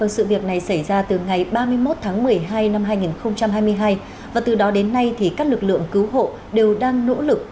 sự việc này xảy ra từ ngày ba mươi một tháng một mươi hai năm hai nghìn hai mươi hai và từ đó đến nay các lực lượng cứu hộ đều đang nỗ lực